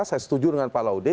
saya setuju dengan pak laude